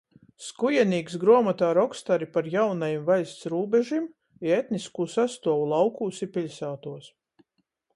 Skujenīks gruomotā roksta ari par jaunajim vaļsts rūbežim i etniskū sastuovu laukūs i piļsātuos.